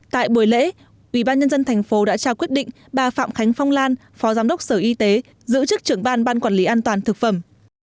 tại buổi lễ ủy ban nhân dân thành phố đã trao quyết định bà phạm khánh phong lan phó giám đốc sở y tế giữ chức trưởng ban ban quản lý an toàn thực phẩm